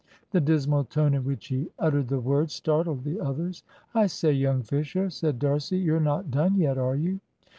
The dismal tone in which he uttered the words startled the others. "I say, young Fisher," said D'Arcy, "you're not done yet, are you!"